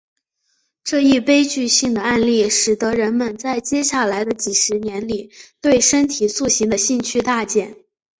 这一悲剧性的案例使得人们在接下来的几十年里对身体塑形的兴趣大减。